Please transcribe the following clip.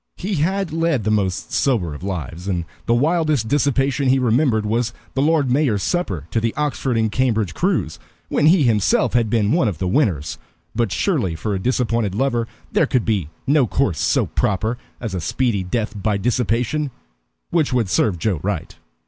He had led the most sober of lives, and the wildest dissipation he remembered was the Lord Mayor's supper to the Oxford and Cambridge crews, when he himself had been one of the winners. But surely, for a disappointed lover there could be no course so proper as a speedy death by dissipation which would serve Joe right.